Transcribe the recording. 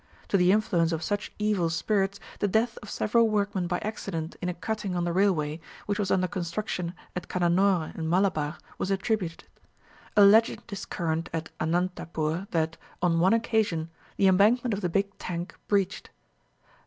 To the influence of such evil spirits the death of several workmen by accident in a cutting on the railway, which was under construction at Cannanore in Malabar, was attributed. A legend is current at Anantapur that, on one occasion, the embankment of the big tank breached.